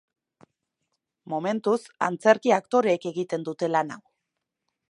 Momentuz, antzerki aktoreek egiten dute lan hau.